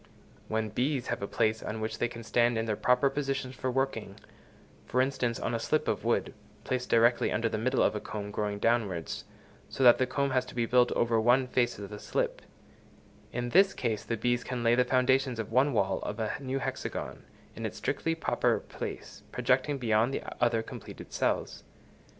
When bees have a place on which they can stand in their proper positions for working—for instance, on a slip of wood, placed directly under the middle of a comb growing downwards, so that the comb has to be built over one face of the slip—in this case the bees can lay the foundations of one wall of a new hexagon, in its strictly proper place, projecting beyond the other completed cells.